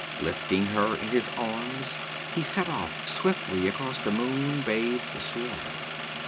Lifting her in his arms he set off swiftly across the moon bathed sward.